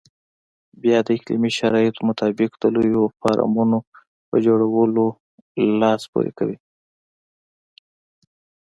بیا د اقلیمي شرایطو مطابق د لویو فارمونو په جوړولو لاس پورې کوي.